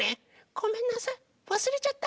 ・ごめんなさいわすれちゃった。